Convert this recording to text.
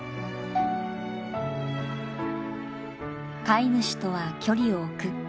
飼い主とは距離を置く。